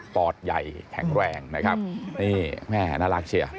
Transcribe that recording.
อดใหญ่แข็งแรงนะครับนี่แม่น่ารักเชียว